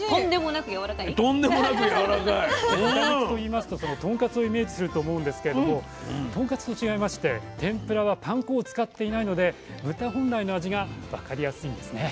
豚肉といいますととんかつをイメージすると思うんですけれどもとんかつと違いまして天ぷらはパン粉を使っていないので豚本来の味が分かりやすいんですね。